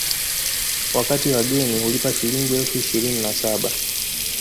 Wakati wageni hulipa Shilingi elfu ishirini na saba